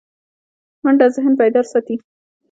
منډه ذهن بیدار ساتي